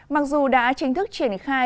mặc dù đã chính thức triển khai chương trình